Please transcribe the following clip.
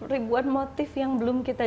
ribuan motif yang belum kita